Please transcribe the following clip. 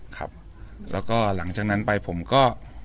ครับแล้วก็หลังจากนั้นไปผมก็